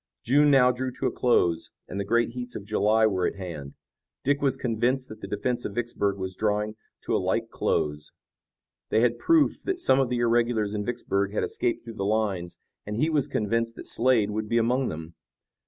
June now drew to a close and the great heats of July were at hand. Dick was convinced that the defense of Vicksburg was drawing to a like close. They had proof that some of the irregulars in Vicksburg had escaped through the lines and he was convinced that Slade would be among them.